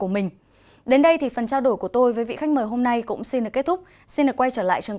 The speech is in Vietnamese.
mở cửa trở lại